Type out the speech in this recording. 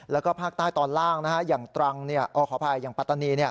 แล้วก็ภาคใต้ตอนล่างนะฮะอย่างตรังเนี่ยอ้อขอภัยอย่างปัตตานีเนี่ย